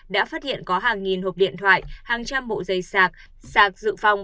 đã phát hiện có hàng nghìn hộp điện thoại hàng trăm bộ dây sạc sạc dự phòng